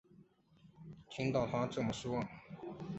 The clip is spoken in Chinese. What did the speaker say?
听到她这么说